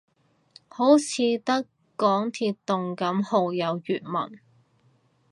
好似得港鐵動感號有粵文